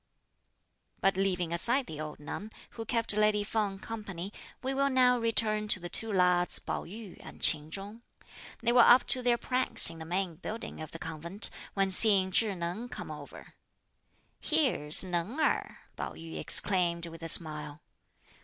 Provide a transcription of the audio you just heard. But leaving aside the old nun, who kept lady Feng company, we will now return to the two lads Pao yü and Ch'in Chung. They were up to their pranks in the main building of the convent, when seeing Chih Neng come over: "Here's Neng Erh," Pao yü exclaimed with a smile.